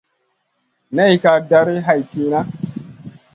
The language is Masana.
Ney ka dari hay tìhna.